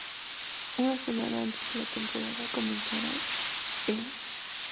Una semana antes que la temporada comenzara, E!